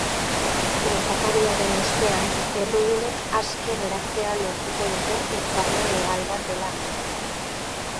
Gertakariaren ostean, errudunek aske geratzea lortuko dute hitzarmen legal bat dela medio.